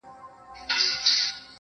زه د ساقي تر احترامه پوري پاته نه سوم.